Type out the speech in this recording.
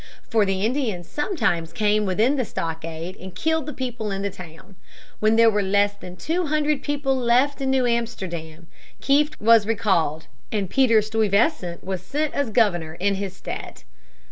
For the Indians sometimes came within the stockade and killed the people in the town. When there were less than two hundred people left in New Amsterdam, Kieft was recalled, and Peter Stuyvesant was sent as governor in his stead.